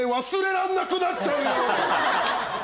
忘れらんなくなっちゃうよ。